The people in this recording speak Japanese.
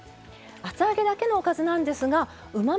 厚揚げだけのおかずなんですがうま